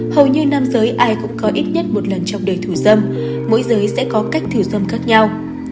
hầu như nam giới ai cũng có ít nhất một lần trong đời thủ dâm mỗi giới sẽ có cách thử dâm khác nhau